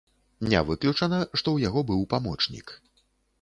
Не выключана, што ў яго быў памочнік.